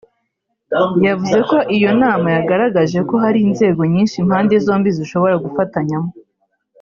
yavuze ko iyo nama yagaragaje ko hari inzego nyinshi impande zombi zishobora gufatanyamo